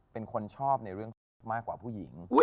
เป็นคนชอบในเรื่องที่มากกว่าผู้หญิง